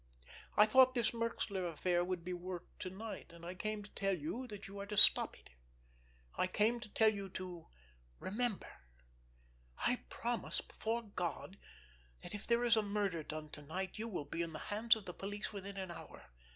I thought this Merxler affair would be worked to night, and I came to tell you that you are to stop it. I came to tell you to—remember! I promise, before God, that if there is murder done to night you will be in the hands of the police within an hour.